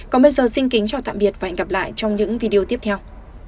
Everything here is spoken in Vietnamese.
còn bây giờ xin kính chào tạm biệt và hẹn gặp lại trong những video tiếp theo